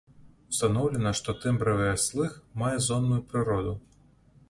Устаноўлена, што тэмбравыя слых мае зонную прыроду.